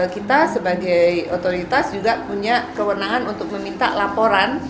kita sebagai otoritas juga punya kewenangan untuk meminta laporan